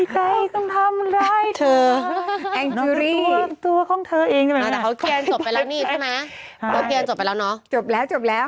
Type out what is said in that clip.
เขาเคลียร์กันจบไปแล้วนี่ใช่ไหม